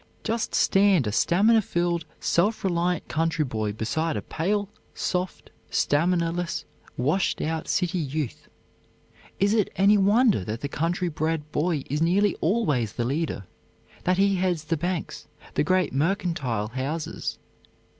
Just stand a stamina filled, self reliant country boy beside a pale, soft, stamina less, washed out city youth. Is it any wonder that the country bred boy is nearly always the leader; that he heads the banks, the great mercantile houses?